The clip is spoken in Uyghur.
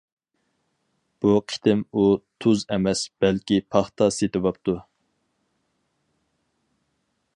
بۇ قېتىم ئۇ تۇز ئەمەس، بەلكى پاختا سېتىۋاپتۇ.